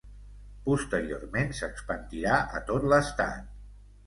Posteriorment s'expandirà a tot l'estat.